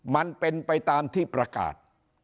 มันเป็นไปตามที่ประกาศ